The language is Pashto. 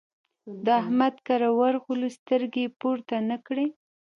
د احمد کره ورغلو؛ سترګې يې پورته نه کړې.